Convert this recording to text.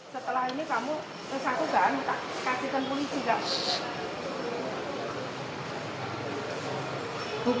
setelah ini kamu satu ganteng kasihkan puli juga